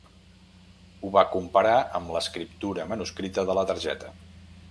Ho va comparar amb l'escriptura manuscrita de la targeta.